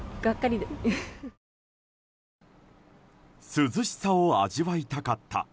涼しさを味わいたかった。